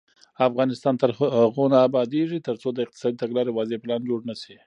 افغانستان تر هغو نه ابادیږي، ترڅو د اقتصادي تګلارې واضح پلان جوړ نشي.